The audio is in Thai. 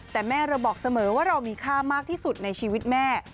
แต่แม่เราบอกเสมอว่าเรามีค่ามากที่สุดในชีวิตแม่